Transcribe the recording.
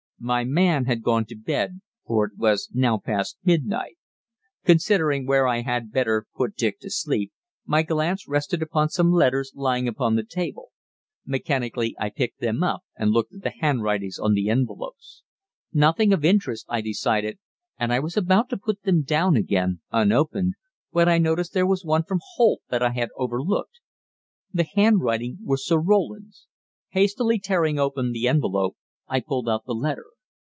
My man had gone to bed, for it was now past midnight. Considering where I had better put Dick to sleep, my glance rested upon some letters lying on the table. Mechanically I picked them up and looked at the handwritings on the envelopes. Nothing of interest, I decided, and I was about to put them down again, unopened, when I noticed there was one from Holt that I had overlooked. The handwriting was Sir Roland's. Hastily tearing open the envelope, I pulled out the letter.